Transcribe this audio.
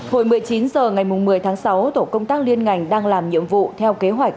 hồi một mươi chín h ngày một mươi tháng sáu tổ công tác liên ngành đang làm nhiệm vụ theo kế hoạch